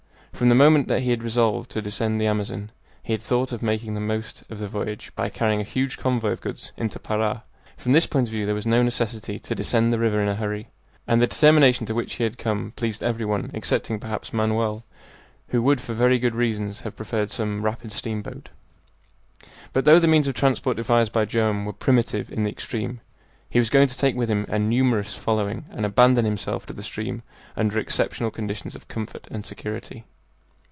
From the moment that he had resolved to descend the Amazon he had thought of making the most of the voyage by carrying a huge convoy of goods into Para. From this point of view there was no necessity to descend the river in a hurry. And the determination to which he had come pleased every one, excepting, perhaps, Manoel, who would for very good reasons have preferred some rapid steamboat. But though the means of transport devised by Joam were primitive in the extreme, he was going to take with him a numerous following and abandon himself to the stream under exceptional conditions of comfort and security.